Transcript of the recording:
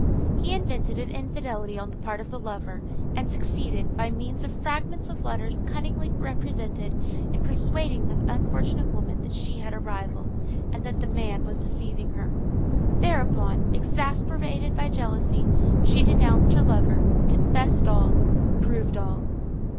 He invented an infidelity on the part of the lover, and succeeded, by means of fragments of letters cunningly presented, in persuading the unfortunate woman that she had a rival, and that the man was deceiving her. Thereupon, exasperated by jealousy, she denounced her lover, confessed all, proved all.